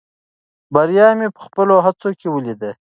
بریا مې په خپلو هڅو کې ولیده.